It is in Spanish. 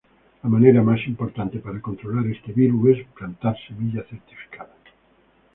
La manera más importante para controlar este virus es plantar semilla certificada.